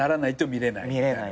見れない。